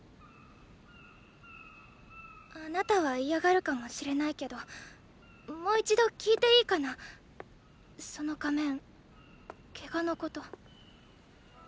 あなたは嫌がるかもしれないけどもう一度聞いていいかなその仮面ケガのこと。